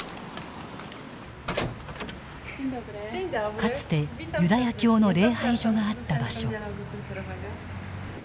かつてユダヤ教の礼拝所があった場所。